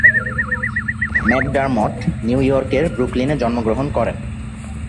McDermott নিউ ইয়র্কের ব্রুকলিনে জন্মগ্রহণ করেন।